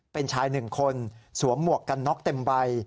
เป็นชายหนึ่งคนสวมหมวกกันน็อกเต็มใบ